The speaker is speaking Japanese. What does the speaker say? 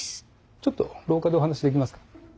ちょっと廊下でお話できますか？